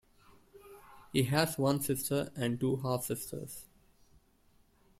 He has one sister and two half-sisters.